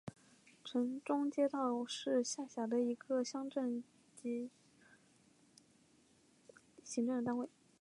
城中街道是下辖的一个乡镇级行政单位。